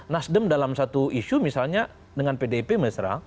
nasdem dalam satu isu misalnya dengan pdip mesra